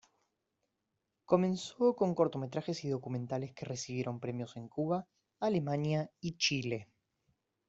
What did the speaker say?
Comenzó con cortometrajes y documentales que recibieron premios en Cuba, Alemania y Chile.